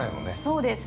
◆そうです。